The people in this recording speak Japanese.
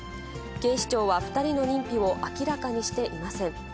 警視庁は２人の認否を明らかにしていません。